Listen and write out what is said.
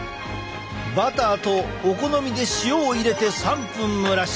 バターとお好みで塩を入れて３分蒸らし。